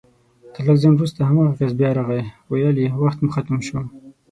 تر لږ ځنډ وروسته هماغه کس بيا راغی ويل يې وخت مو ختم شو